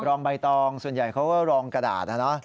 รองใบตองส่วนใหญ่เขาก็รองกระดาษนะ